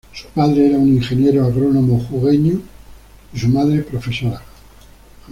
Su padre era un ingeniero agrónomo jujeño y su madre profesora.